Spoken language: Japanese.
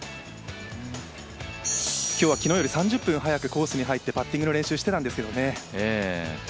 今日は昨日より３０分早くコースに入ってパッティングの練習をしていたんですよね。